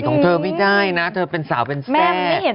ของเธอไม่ได้นะเธอเป็นสาวเป็นแทร่